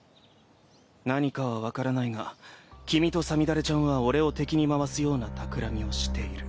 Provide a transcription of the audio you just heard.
何かは分からないが君とさみだれちゃんは俺を敵に回すようなたくらみをしている。